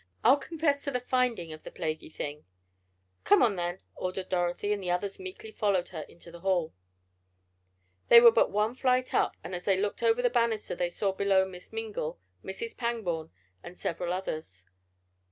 "I'll confess to the finding of the plaguey thing." "Come on then," ordered Dorothy, and the others meekly followed her into the hall. They were but one flight up, and as they looked over the banister they saw below Miss Mingle, Mrs. Pangborn and several others.